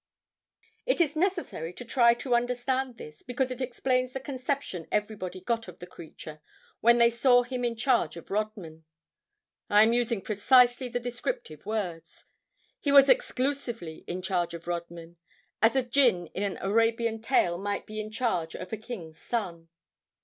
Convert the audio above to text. It is necessary to try to understand this, because it explains the conception everybody got of the creature, when they saw him in charge of Rodman. I am using precisely the descriptive words; he was exclusively in charge of Rodman, as a jinn in an Arabian tale might have been in charge of a king's son.